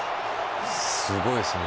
すごいですね。